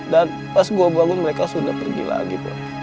dan pas gue bangun mereka sudah pergi lagi